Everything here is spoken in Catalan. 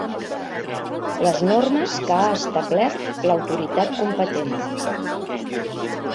Les normes que ha establert l'autoritat competent.